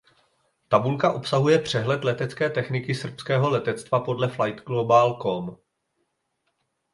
Tabulka obsahuje přehled letecké techniky srbského letectva podle Flightglobal.com.